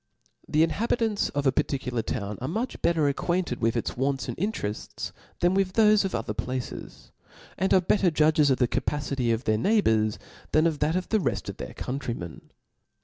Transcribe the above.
The inhabitants of a particular town art much better acquainted with its wants and interefts, than with thofe of other places •, and are better judgtt of the capacity of their neighbours, than of that of the reft of their countrymen.